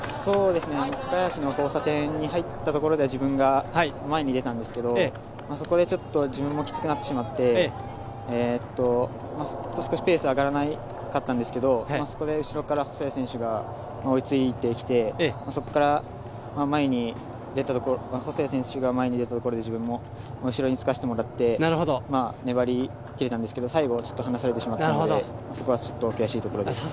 高林の交差点に入ったところでは自分が前に出たんですけれども、そこで自分もきつくなってしまって、ペース上がらなかったんですけどそこで後ろから細谷選手が追いついてきてそこから細谷選手が前に出たところで自分も後ろにつかせてもらって粘り切れたんですけど、最後は離されてしまったのでそこはちょっと悔しいところです。